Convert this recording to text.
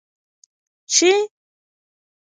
چې: